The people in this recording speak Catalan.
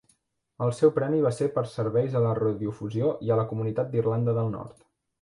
El seu premi va ser per "Serveis a la radiodifusió i a la comunitat d'Irlanda del Nord".